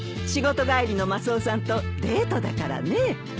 仕事帰りのマスオさんとデートだからね。